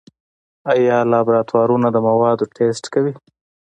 آیا لابراتوارونه د موادو ټسټ کوي؟